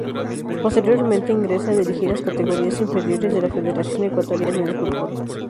Posteriormente ingresa a dirigir las categorías inferiores de la Federación Ecuatoriana de Fútbol.